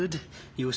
よし！